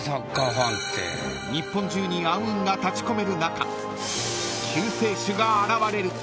［日本中に暗雲が立ち込める中救世主が現れる］